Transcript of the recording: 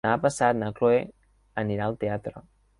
Demà passat na Cloè anirà al teatre.